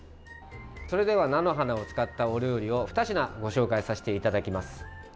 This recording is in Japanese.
それでは菜の花を使ったお料理を２品、ご紹介させていただきます。